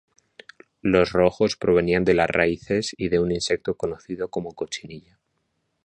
Los rojos provenían de las raíces y de un insecto conocido como cochinilla.